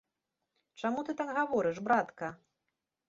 Чаму ты так гаворыш, братка?